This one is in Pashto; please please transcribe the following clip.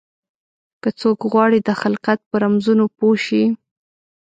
که څوک غواړي د خلقت په رمزونو پوه شي.